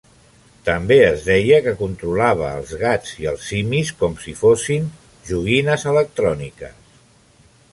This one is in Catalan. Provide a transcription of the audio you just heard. També es deia que controlava els gats i els simis com si fossin joguines electròniques.